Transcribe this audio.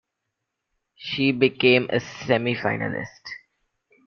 She became a semi-finalist.